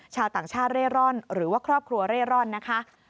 ชาวต่างชาติเร่ร่อนหรือว่าครอบครัวเร่ร่อนนะคะ